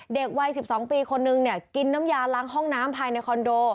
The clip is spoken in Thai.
เด็กวัย๑๒ปีคนนึงเนี่ยกินน้ำยาล้างห้องน้ำภายในคอนโด